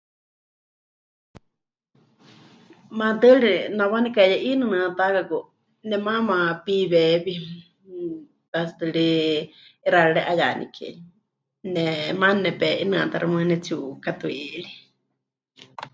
Maatɨari nawá nekaheye'inɨnɨ́atakaku nemaama piweewi, tatsíetɨ ri 'ixɨarari 'ayaniké, ne maana nepe'inɨatáxɨ mɨɨkɨ pɨnetsi'ukatu'iri.